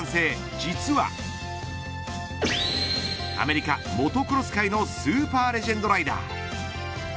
実はアメリカモトクロス界のスーパーレジェンドライダー。